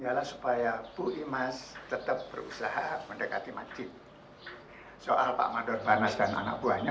adalah supaya bu imas tetap berusaha mendekati masjid soal pak mandor panas dan anak buahnya